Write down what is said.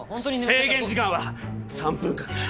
制限時間は３分間だ。